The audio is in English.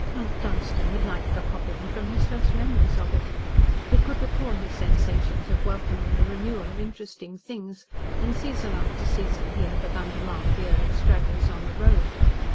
Mount Dunstan had liked the "hopping" from his first memories of it. He could recall his sensations of welcoming a renewal of interesting things when, season after season, he had begun to mark the early stragglers on the road.